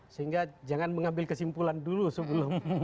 sehingga jangan mengambil kesimpulan dulu sebelum